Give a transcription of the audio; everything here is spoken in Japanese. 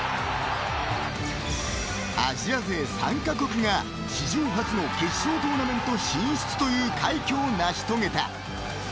アジア勢３カ国が、史上初の決勝トーナメント進出という快挙を成し遂げた。